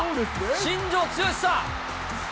新庄剛志さん。